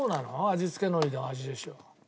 味付け海苔の味でしょ。